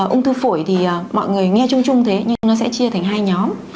ung thư phổi thì mọi người nghe chung chung thế nhưng nó sẽ chia thành hai nhóm